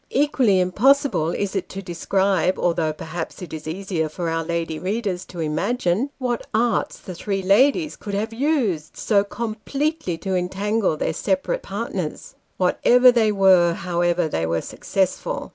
Equally impossible is it to describe, although perhaps it is easier for our lady readers to imagine, what arts the three ladies could have used, so completely to entangle their separate Tivo Weddings and a Breach of Promise. 217 partners. Whatever they were, however, they were successful.